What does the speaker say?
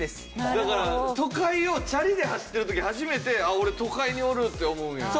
だから都会をチャリで走ってる時初めてあっ俺都会におるって思うんやろね。